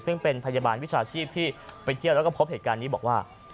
ซึ่งเป็นพยาบาลวิชาชีพที่ไปเที่ยวแล้วก็พบเหตุการณ์นี้บอกว่า